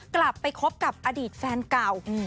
กลับไปคบกับอดีตแฟนเก่า